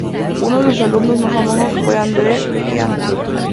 Uno de sus alumnos más famosos fue Andre The Giant.